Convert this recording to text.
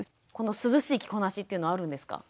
涼しい着こなしっていうのはあるんですか？